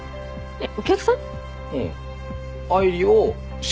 えっ？